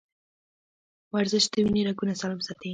ورزش د وینې رګونه سالم ساتي.